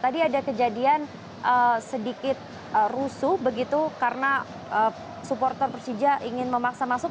tadi ada kejadian sedikit rusuh begitu karena supporter persija ingin memaksa masuk